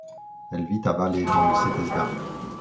Elle vit à Valle dans le Setesdal.